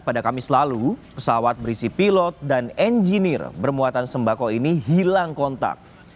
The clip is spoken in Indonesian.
pesawat berisi pilot dan engenir bermuatan sembako ini hilang kontak